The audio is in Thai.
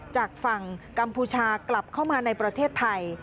จากฝั่งกัมพูชากลับเข้ามาในประเทศไทย